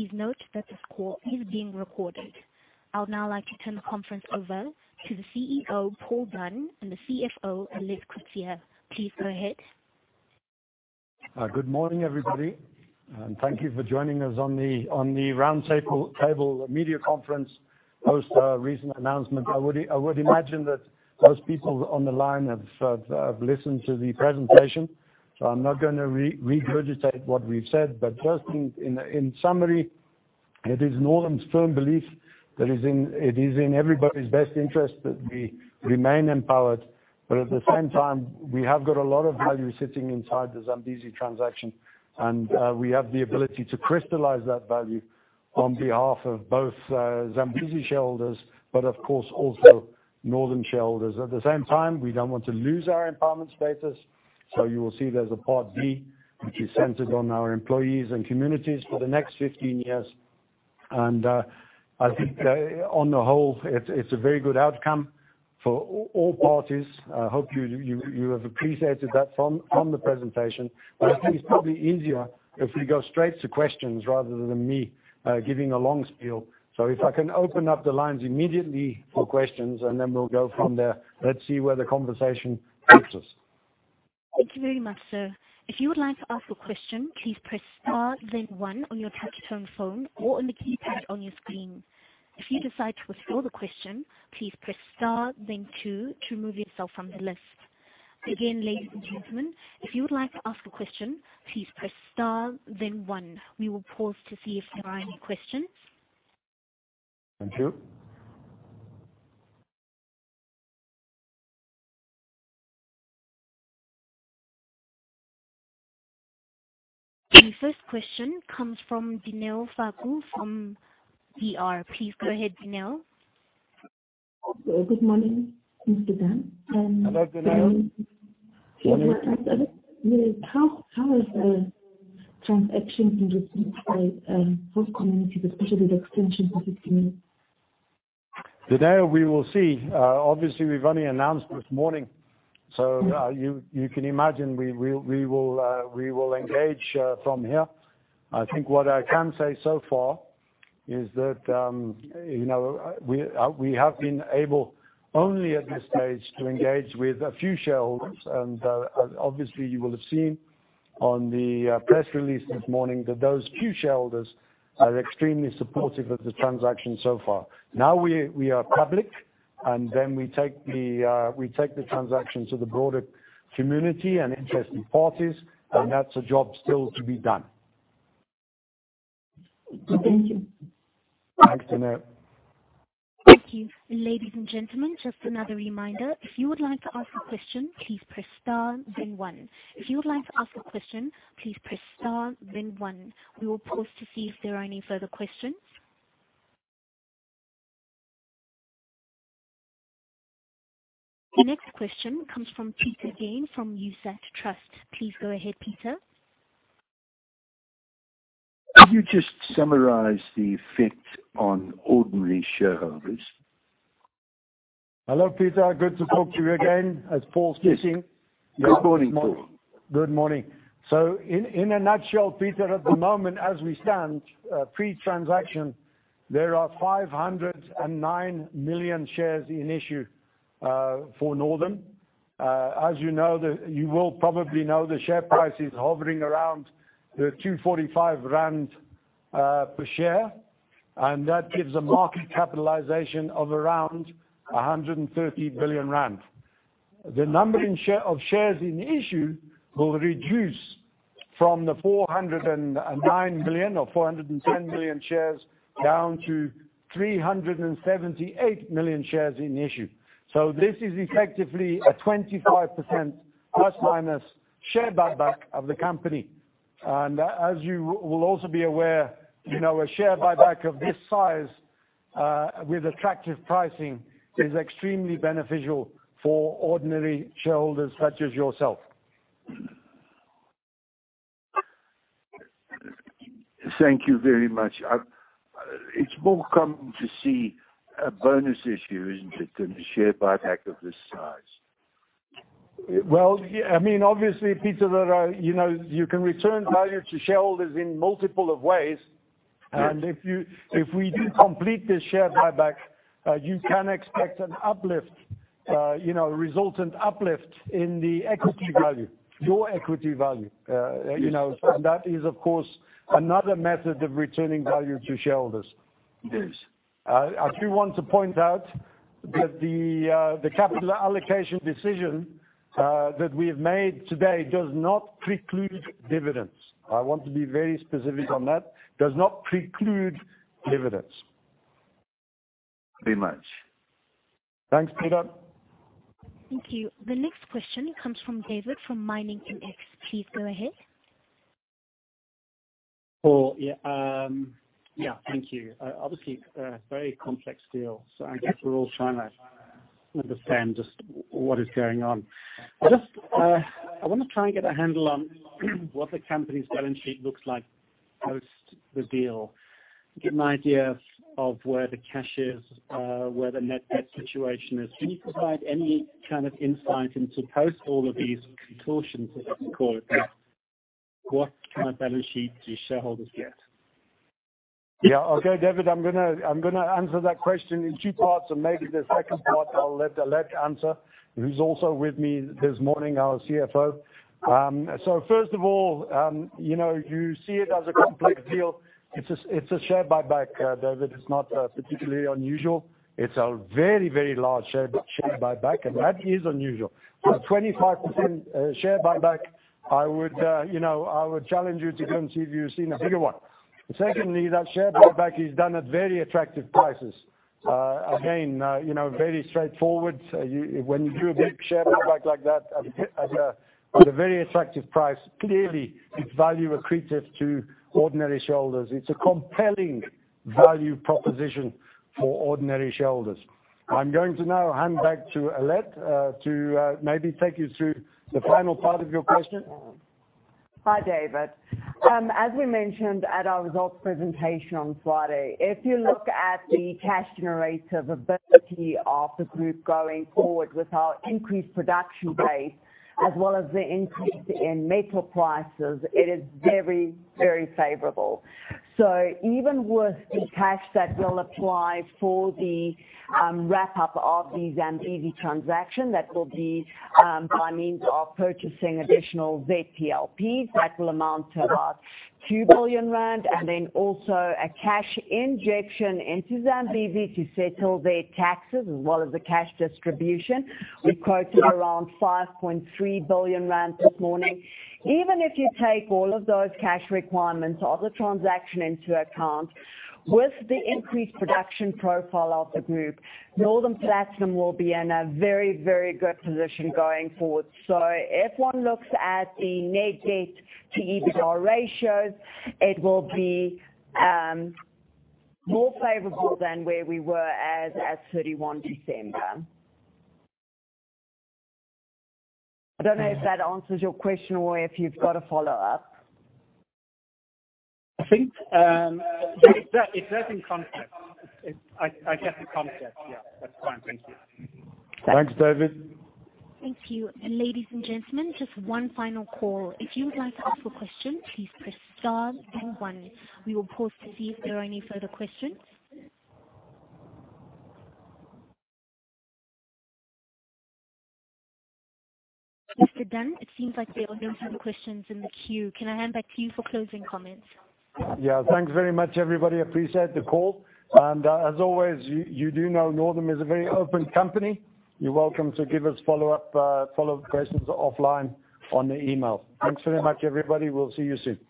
Please note that this call is being recorded. I would now like to turn the conference over to the CEO, Paul Dunne, and the CFO, Alet Coetzee. Please go ahead. Good morning, everybody. Thank you for joining us on the roundtable media conference, post our recent announcement. I would imagine that those people on the line have listened to the presentation. I'm not going to regurgitate what we've said. Just in summary, it is Northam's firm belief that it is in everybody's best interest that we remain empowered. At the same time, we have got a lot of value sitting inside the Zambezi transaction, and we have the ability to crystallize that value on behalf of both Zambezi shareholders, but of course, also Northam shareholders. At the same time, we don't want to lose our empowerment status. You will see there's a part D, which is centered on our employees and communities for the next 15 years. I think, on the whole, it's a very good outcome for all parties. I hope you have appreciated that from the presentation. I think it's probably easier if we go straight to questions rather than me giving a long spiel. If I can open up the lines immediately for questions, and then we'll go from there. Let's see where the conversation takes us. Thank you very much, sir. If you would like to ask a question, please press star then one on your touch-tone phone or on the keypad on your screen. If you decide to withdraw the question, please press star then two to remove yourself from the list. Again, ladies and gentlemen, if you would like to ask a question, please press star then one. We will pause to see if there are any questions. Thank you. The first question comes from Denelle Fakhu from DR. Please go ahead, Denelle. Good morning, Mr. Dunne. Hello, Denelle. Good morning. How is the transaction been received by both communities, especially the extension community? Denelle, we will see. Obviously, we've only announced this morning. You can imagine we will engage from here. I think what I can say so far is that we have been able only at this stage to engage with a few shareholders. Obviously, you will have seen on the press release this morning that those few shareholders are extremely supportive of the transaction so far. Now we are public, and then we take the transaction to the broader community and interested parties, and that's a job still to be done. Thank you. Thanks, Denelle. Thank you. Ladies and gentlemen, just another reminder. If you would like to ask a question, please press star then one. If you would like to ask a question, please press star then one. We will pause to see if there are any further questions. The next question comes from Peter Game from USAT Trust. Please go ahead, Peter. Could you just summarize the effect on ordinary shareholders? Hello, Peter. Good to talk to you again. It's Paul speaking. Good morning, Paul. Good morning. In a nutshell, Peter, at the moment as we stand, pre-transaction, there are 509 million shares in issue for Northam. As you will probably know, the share price is hovering around the 245 rand per share, and that gives a market capitalization of around 130 billion rand. The number of shares in issue will reduce from the 509 million or 510 million shares down to 378 million shares in issue. This is effectively a 25% ± share buyback of the company. As you will also be aware, a share buyback of this size with attractive pricing is extremely beneficial for ordinary shareholders such as yourself. Thank you very much. It's more common to see a bonus issue, isn't it, than a share buyback of this size? Well, obviously, Peter, you can return value to shareholders in multiple of ways. Yes. If we do complete this share buyback, you can expect a resultant uplift in the equity value, your equity value. Yes. That is, of course, another method of returning value to shareholders. Yes. I do want to point out that the capital allocation decision that we have made today does not preclude dividends. I want to be very specific on that. Does not preclude dividends. Thank you very much. Thanks, Peter. Thank you. The next question comes from David from Miningmx. Please go ahead. Paul, yeah. Thank you. Obviously, a very complex deal. I guess we're all trying to understand just what is going on. I want to try and get a handle on what the company's balance sheet looks like post the deal. Get an idea of where the cash is, where the net debt situation is. Can you provide any kind of insight into post all of these contortions, as you call it, what kind of balance sheet do shareholders get? Okay, David, I'm going to answer that question in two parts, and maybe the second part I'll let Alet answer, who's also with me this morning, our CFO. First of all, you see it as a complex deal. It's a share buyback, David. It's not particularly unusual. It's a very, very large share buyback, and that is unusual. A 25% share buyback, I would challenge you to go and see if you've seen a bigger one. Secondly, that share buyback is done at very attractive prices. Again, very straightforward. When you do a big share buyback like that at a very attractive price, clearly it's value accretive to ordinary shareholders. It's a compelling value proposition for ordinary shareholders. I'm going to now hand back to Alet, to maybe take you through the final part of your question. Hi, David. As we mentioned at our results presentation on Friday, if you look at the cash generative ability of the group going forward with our increased production base, as well as the increase in metal prices, it is very, very favorable. Even with the cash that we'll apply for the wrap-up of the Zambezi transaction, that will be by means of purchasing additional ZPLPs, that will amount to about 2 billion rand, and then also a cash injection into Zambezi to settle their taxes as well as the cash distribution. We've quoted around 5.3 billion rand this morning. Even if you take all of those cash requirements of the transaction into account, with the increased production profile of the group, Northam Platinum will be in a very, very good position going forward. If one looks at the net debt to EBITDA ratios, it will be more favorable than where we were as at 31 December. I don't know if that answers your question or if you've got a follow-up. I think, it does in context. I get the context, yeah. That's fine. Thank you. Thanks, David. Thank you. Ladies and gentlemen, just one final call. If you would like to ask a question, please press star and one. We will pause to see if there are any further questions. If we're done, it seems like there aren't any questions in the queue. Can I hand back to you for closing comments? Yeah. Thanks very much, everybody. Appreciate the call. As always, you do know Northam is a very open company. You're welcome to give us follow-up questions offline on the email. Thanks very much, everybody. We'll see you soon.